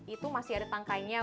itu masih ada tangkainya